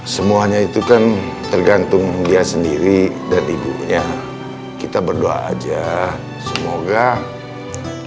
semuanya itu kan tergantung dia sendiri dari ibunya kita berdoa aja semoga ke depan buck goin baru ruldade captain